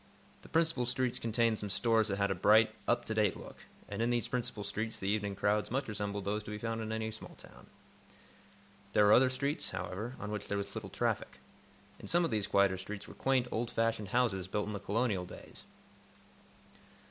The principal streets contained some stores that had a bright, up to date look, and in these principal streets the evening crowds much resembled those to be found in any small town. There were other streets, however, on which there was little traffic. In some of these quieter streets were quaint, old fashioned houses built in the Colonial days.